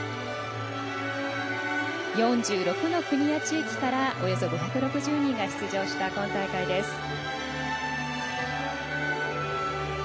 ４６の国や地域からおよそ５６０人が出場した今大会です。